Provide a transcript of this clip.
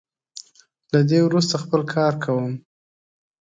له دې وروسته خپل کار کوم.